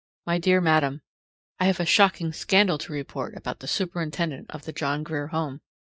My dear Madam: I have a shocking scandal to report about the superintendent of the John Grier Home.